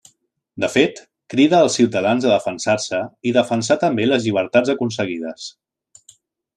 De fet, crida els ciutadans a defensar-se i defensar també les llibertats aconseguides.